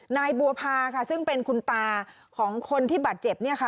นายบัวพาค่ะซึ่งเป็นคุณตาของคนที่บาดเจ็บเนี่ยค่ะ